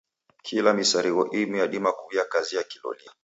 Kila misarigho imu yadima kuw'uya kazi ya kilolia.